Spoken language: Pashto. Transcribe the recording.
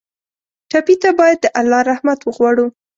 ټپي ته باید د الله رحمت وغواړو.